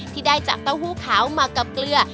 ที่ได้จากเต้าหู้ขาวมากับเกลือ